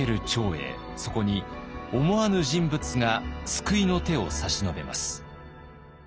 そこに思わぬ人物が救いの手を差し伸べます。